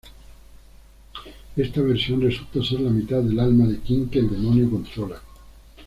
Esta versión resulta ser la mitad del alma de Quinn que el demonio controla.